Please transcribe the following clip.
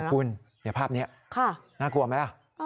เนี่ยคุณเนี่ยภาพนี้น่ากลัวไหมล่ะ